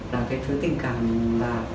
là cái thứ tình cảm mà